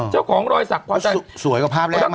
เจ้าของรอยศักดิ์พอใจสวยกว่าภาพแรกมาก